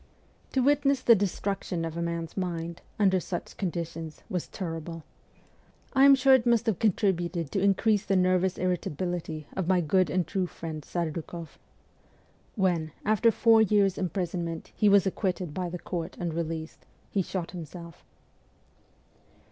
To witness the destruction of a man's mind, under such conditions, was terrible. I am sure it must have contributed to increase the nervous irritability of my good and true friend Serdukoff. When, after four years' imprisonment, he w as acquitted by the court and released, he shot himself.